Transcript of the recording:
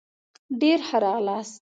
ډېر ښه راغلاست